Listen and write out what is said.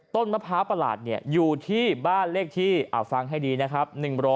มะพร้าวประหลาดอยู่ที่บ้านเลขที่ฟังให้ดีนะครับ